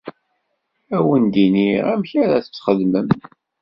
Ad wen-d-iniɣ amek ad t-txedmem.